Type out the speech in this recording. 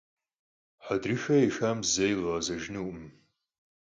Хьэдрыхэ ехам зэи къигъэзэжынукъым.